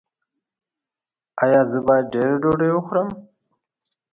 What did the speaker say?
ایا زه باید ډیره ډوډۍ وخورم؟